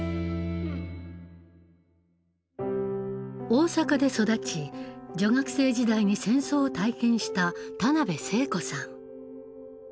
大阪で育ち女学生時代に戦争を体験した田辺聖子さん。